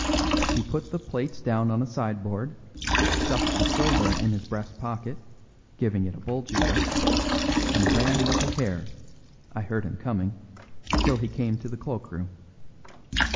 He put the plates down on a sideboard, stuffed the silver in his breast pocket, giving it a bulgy look, and ran like a hare (I heard him coming) till he came to the cloak room.